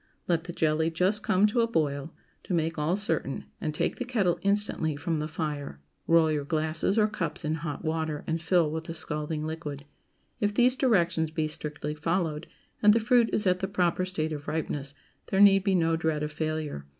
Let the jelly just come to a boil, to make all certain, and take the kettle instantly from the fire. Roll your glasses or cups in hot water, and fill with the scalding liquid. If these directions be strictly followed, and the fruit is at the proper state of ripeness, there need be no dread of failure.